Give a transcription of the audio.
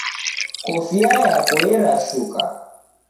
Kofia yako yerashuka